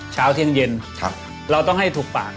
เช้าเที่ยงเย็นเราต้องให้ถูกปาก